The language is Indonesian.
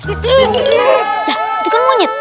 itu kan monyet